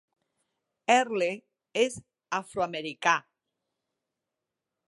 Earle és afroamericà.